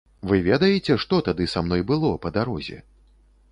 Вы ведаеце, што тады са мной было па дарозе?